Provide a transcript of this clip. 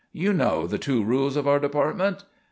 "You know the two rules of our department?"